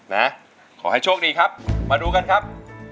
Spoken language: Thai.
นะขอให้โชคดีครับมาดูกันครับ